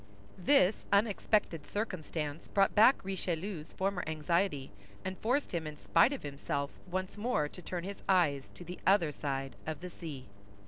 This unexpected circumstance brought back Richelieu's former anxiety, and forced him in spite of himself once more to turn his eyes to the other side of the sea.